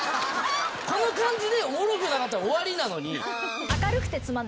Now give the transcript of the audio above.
この感じでおもろくなかったら終わりなのに。